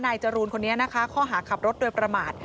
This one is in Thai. จรูนคนนี้นะคะข้อหาขับรถโดยประมาท